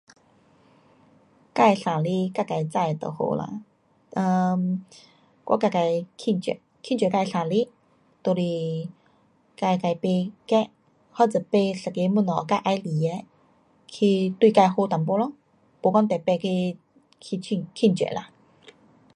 自生日自自知就好啦，um 我自自庆祝，庆祝自生日就是自自买 cake, 货者买一个东西自喜欢的，去对自好一点咯，没讲特别去，去庆，庆祝啦。